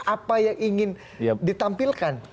apa yang ingin ditampilkan